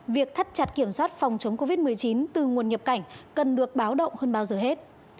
việc thắt chặt kiểm soát phòng chống covid một mươi chín từ nguồn nhập cảnh cần được báo động hơn bao giờ hết